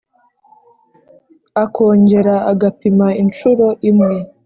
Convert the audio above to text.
akongera agapima incuro imwe